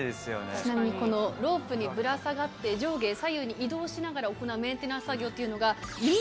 ちなみにこのロープにぶら下がって上下左右に移動しながら行うメンテナンス作業というのが。